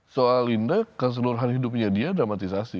soal indah keseluruhan hidupnya dia dramatisasi